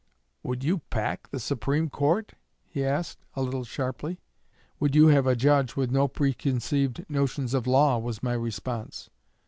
'Would you pack the Supreme Court?' he asked, a little sharply. 'Would you have a Judge with no preconceived notions of law?' was my response.